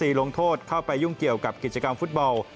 ลงโทษเข้าไปยุ่งเกี่ยวกับกิจกรรมฟุตบอล